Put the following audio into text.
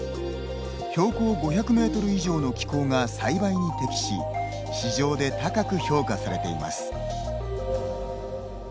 標高５００メートル以上の気候が栽培に適し市場で高く評価されています。